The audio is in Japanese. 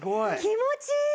気持ちいい！